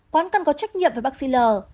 quán cần có trách nhiệm với bác sĩ l